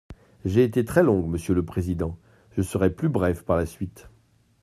J’ai été très longue, monsieur le président, je serai plus brève par la suite.